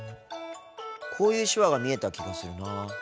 こういう手話が見えた気がするなぁ。